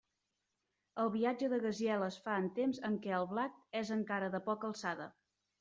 El viatge de Gaziel es fa en temps en què el blat és encara de poca alçada.